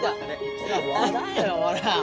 笑えよほら。